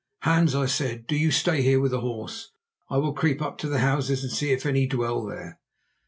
"Hans," I said, "do you stay here with the horse. I will creep to the houses and see if any dwell there."